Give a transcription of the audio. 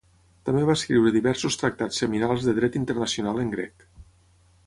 També va escriure diversos tractats seminals de Dret Internacional en grec.